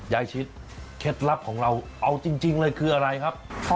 ชิดเคล็ดลับของเราเอาจริงเลยคืออะไรครับ